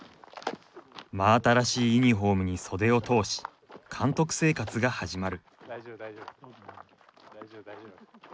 真新しいユニホームに袖を通し監督生活が始まる。